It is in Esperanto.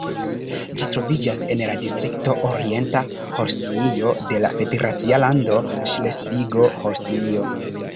Ĝi troviĝas en la distrikto Orienta Holstinio de la federacia lando Ŝlesvigo-Holstinio.